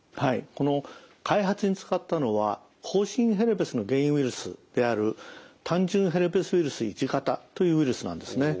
この開発に使ったのはほう疹ヘルペスの原因ウイルスである単純ヘルペスウイルス１型というウイルスなんですね。